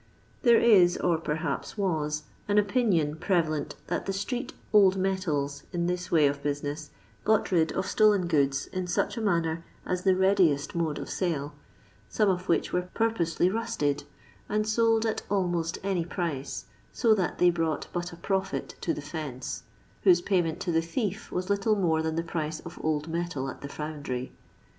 There is, or perhaps was, an opinion prevalent that the street " old metals " in this way of busi ness got rid of stolen goods in such a manner as the readiest mode of sale, some of which were pnrposely rusted, and sold at almost any price, so that they brought but u profit to the " fence, whose payment to the thief was little more than the price of old metal at the foundr}'.